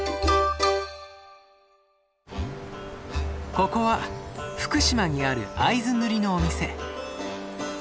ここは福島にある会津塗のお店。